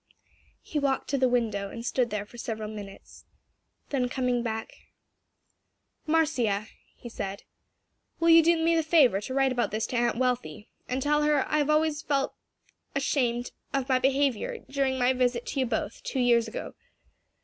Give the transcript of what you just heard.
He walked to the window and stood there for several minutes. Then coming back, "Marcia," he said, "will you do me the favor to write about this to Aunt Wealthy and tell her I have always felt ashamed of my behavior during my visit to you both, two years ago.